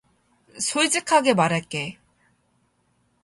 솔직하게 말할게.